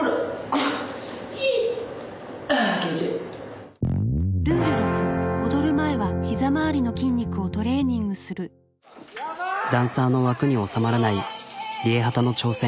あぁダンサーの枠に収まらないＲＩＥＨＡＴＡの挑戦。